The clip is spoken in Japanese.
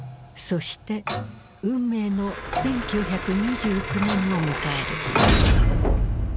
そして運命の１９２９年を迎える。